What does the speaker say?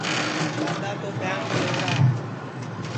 دؔادؔا تو ٻِہِیام گئوڑا ہے